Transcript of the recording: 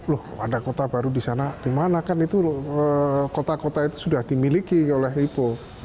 loh ada kota baru di sana di mana kan itu kota kota itu sudah dimiliki oleh lipo